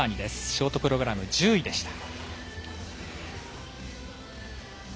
ショートプログラム１０位でした。